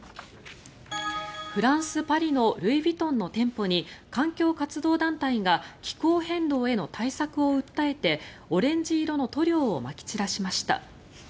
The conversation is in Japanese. フランス・パリのルイ・ヴィトンの店舗に環境活動団体が気候変動への対策を訴えてオレンジ色の塗料をまき散らしました。